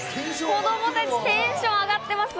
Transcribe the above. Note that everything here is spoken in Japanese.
子供たちテンション上がってます。